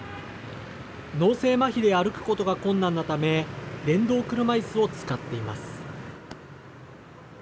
脳性まひで歩くことが困難なため電動車いすを使っています。